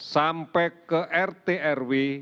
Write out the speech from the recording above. sampai ke rtrw